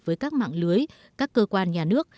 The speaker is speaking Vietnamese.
với các mạng lưới các cơ quan nhà nước